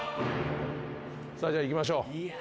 じゃあいきましょう。